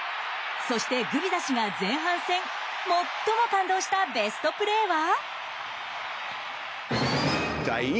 そして、グビザ氏が前半戦最も感動したベストプレーは。